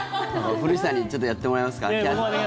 古市さんにちょっとやってもらいますか。